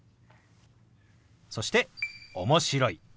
そして「面白い」。